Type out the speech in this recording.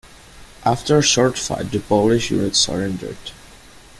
After a short fight the Polish unit surrendered.